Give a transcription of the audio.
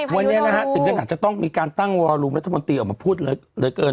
วันนี้นะฮะถึงขนาดจะต้องมีการตั้งวอลูมรัฐมนตรีออกมาพูดเหลือเกิน